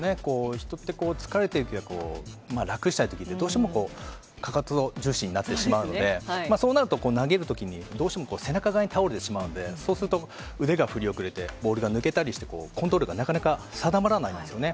人って、疲れているときは、楽したいときって、どうしてもかかと重心になってしまうので、そうなると、投げるときにどうしても背中側に倒れてしまうんで、そうすると、腕が振り遅れて、ボールが抜けたりして、コントロールがなかなか定まらないんですよね。